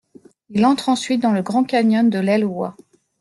Il entre ensuite dans le Grand Canyon de l'Elwha.